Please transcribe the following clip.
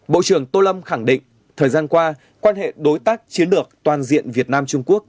bộ trưởng tô lâm khẳng định thời gian qua quan hệ đối tác chiến lược toàn diện việt nam trung quốc